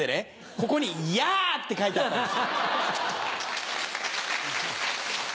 ここに「ヤー！」って書いてあったんです。